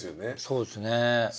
そうですね。